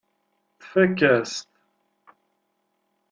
Tfakk-as-t.